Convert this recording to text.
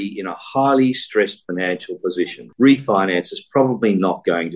ya kita akan mengambil pilihan yang lebih tinggi